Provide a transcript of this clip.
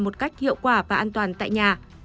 một cách hiệu quả và an toàn tại nhà